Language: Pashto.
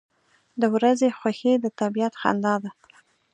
• د ورځې خوښي د طبیعت خندا ده.